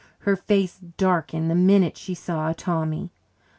Her face darkened the minute she saw Tommy.